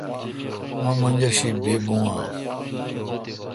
مہ منجر شی یی بون اہ؟